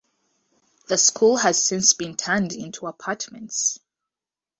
The school has since been turned into apartments.